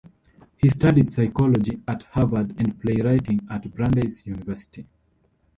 He studied psychology at Harvard and playwriting at Brandeis University.